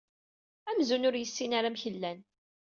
Amzun ur yessin ara amek llan.